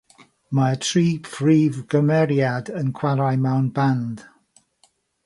Mae'r tri phrif gymeriad yn chwarae mewn band.